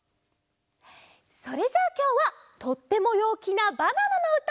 それじゃあきょうはとってもようきなバナナのうた！